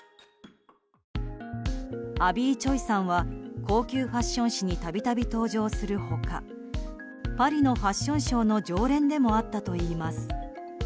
アビー・チョイさんは高級ファッション誌に度々登場する他パリのファッションショーの常連でもあったといいます。